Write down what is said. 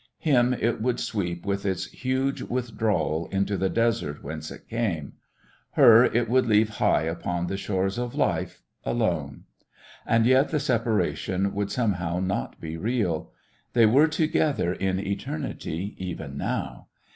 Him it would sweep with its huge withdrawal into the desert whence it came: her it would leave high upon the shores of life alone. And yet the separation would somehow not be real. They were together in eternity even now.